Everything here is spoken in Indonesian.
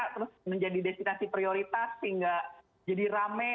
terus menjadi destinasi prioritas hingga jadi ramai